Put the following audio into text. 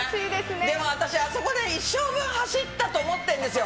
でも私、あそこで一生分走ったと思ってんですよ。